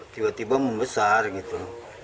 tiba tiba membesar gitu